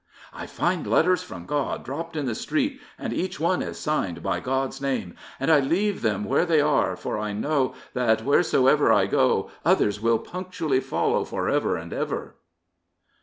I find letters from God dropped in the street, and each one is signed by God's name. And I leave them where they are, for I know that whereso ever I go others will punctually follow for ever and ever.